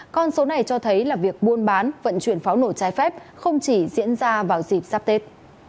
con số này cho thấy là việc buôn bán vận chuyển pháo nổ trái phép không chỉ diễn ra vào dịp sắp tết